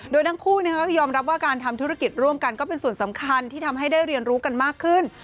โดยทั้งคู่ก็ยอมรับว่าการทำธุรกิจร่วมกันก็เป็นส่วนสำคัญที่ทำให้ได้เรียนรู้กันมากขึ้น